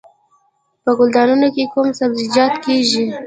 په ګلدانونو کې کوم سبزیجات کیږي؟